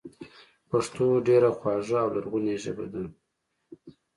پښتو ډېره خواږه او لرغونې ژبه ده